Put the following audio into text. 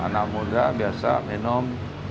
anak muda biasa minum